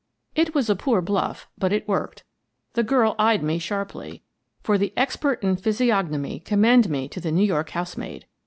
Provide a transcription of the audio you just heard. It was a poor bluff, but it worked. The girl eyed me sharply, — for the expert in physiognomy, commend me to the New York housemaid!